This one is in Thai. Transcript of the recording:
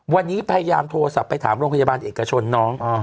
วันนี้พยายามโทรศัพท์ไปถามโรงพยาบาลเอกชนน้อง